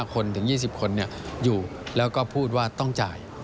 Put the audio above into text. คนถึง๒๐คนอยู่แล้วก็พูดว่าต้องจ่าย